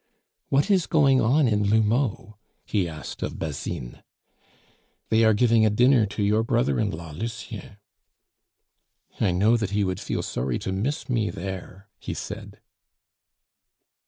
"What is going on in L'Houmeau?" he asked of Basine. "They are giving a dinner to your brother in law, Lucien " "I know that he would feel sorry to miss me there," he said.